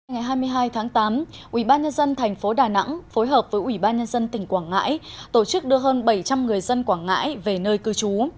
ngày hai mươi hai tháng tám ubnd tp đà nẵng phối hợp với ubnd tỉnh quảng ngãi tổ chức đưa hơn bảy trăm linh người dân quảng ngãi về nơi cư trú